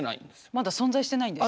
まだ存在してないんですね。